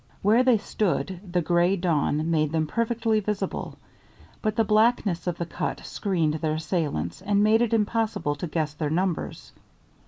Where they stood the gray dawn made them perfectly visible, but the blackness of the cut screened their assailants and made it impossible to guess their numbers.